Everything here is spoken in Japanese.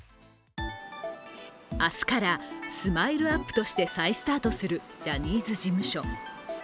明日からＳＭＩＬＥ−ＵＰ．として再スタートするジャニーズ事務所。